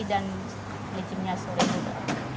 dan licinnya sore juga